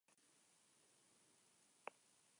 El distrito tiene escuelas en la Ciudad de Ventura.